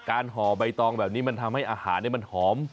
ห่อใบตองแบบนี้มันทำให้อาหารมันหอม